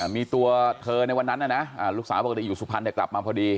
มีตัวเธอในวันนั้นนะลูกสาวปกติอยู่สุพรรณแต่กลับมาพอดี